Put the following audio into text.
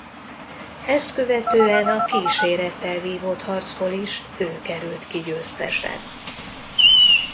Ezt követően a kísérettel vívott harcból is ő került ki győztesen.